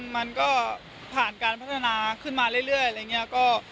มันก็ผ่านการพัฒนาขึ้นมาเรื่อย